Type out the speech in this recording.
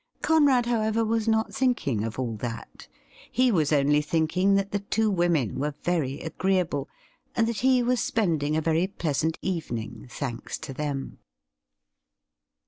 Conrad, however, was not thinking of all that. He was only thinking that the two women were very agreeable, and that he was spending a very pleasant evening, thanks to them.